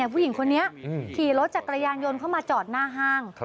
ผู้หญิงคนนี้ขี่รถจักรยานยนต์เข้ามาจอดหน้าห้าง